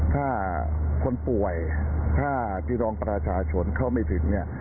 ถ้าคนป่วยถ้าที่รองประชาชนเข้าไม่ถึง